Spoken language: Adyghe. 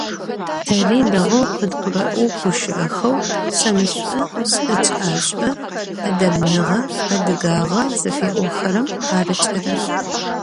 Тэри дэгъоу къыдгурэӀо гущыӀэхэу шэнышӀу, шӀыкӀашӀу, Ӏэдэбныгъэ, адыгагъэ зыфиӀохэрэм къарыкӀырэр.